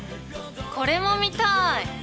これも見たい。